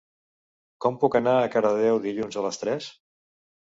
Com puc anar a Cardedeu dilluns a les tres?